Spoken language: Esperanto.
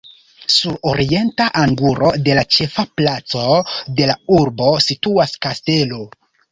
Sur orienta angulo de la ĉefa placo de la urbo situas kastelo.